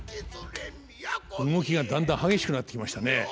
動きがだんだん激しくなってきましたね。